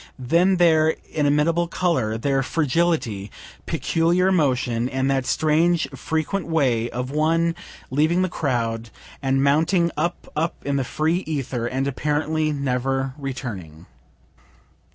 Then their inimitable color, their fragility, peculiar motion and that strange, frequent way of one leaving the crowd and mounting up, up in the free ether, and apparently never returning.